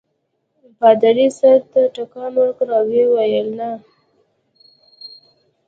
پادري سر ته ټکان ورکړ او ویې ویل نه.